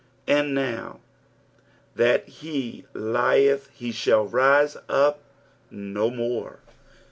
" And noK that he lietk he thall rise vp no more."